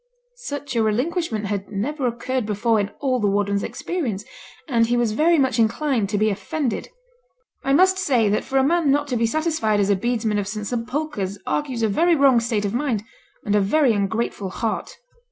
Such a relinquishment had never occurred before in all the warden's experience; and he was very much inclined to be offended. 'I must say that for a man not to be satisfied as a bedesman of St Sepulchre's argues a very wrong state of mind, and a very ungrateful heart.'